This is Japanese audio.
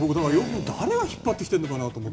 誰が引っ張ってきてるのかなって。